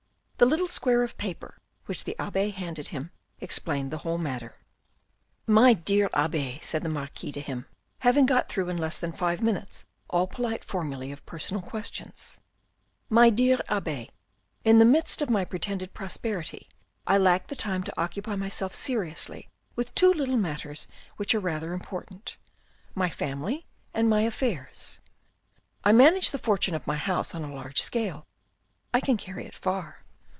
The little square of paper which the abbe handed him explained the whole matter. " My dear abbe," said the Marquis to him, having got through in less than five minutes all polite formulae of personal questions. " My dear abbe, in the midst of my pretended prosperity I lack the time to occupy myself seriously with two little matters which are rather important, my family and my affairs. I manage the fortune of my house on a large scale. I can carry it far.